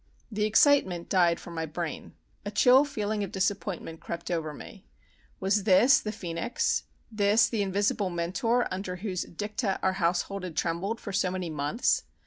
The excitement died from my brain. A chill feeling of disappointment crept over me. Was this the phœnix? this the invisible mentor under whose dicta our household had trembled for so many months?